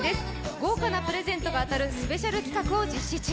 豪華なプレゼントが当たるスペシャル企画を実施中。